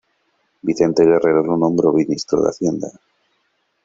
Vicente Guerrero lo nombró ministro de Hacienda.